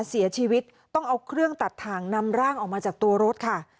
เสียชีวิตต้องเอาเครื่องตัดถ่างนำร่างออกมาจากตัวรถค่ะ